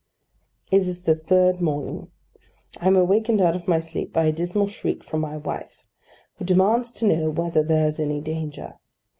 It is the third morning. I am awakened out of my sleep by a dismal shriek from my wife, who demands to know whether there's any danger.